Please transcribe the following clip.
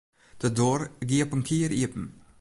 De doar gie op in kier iepen.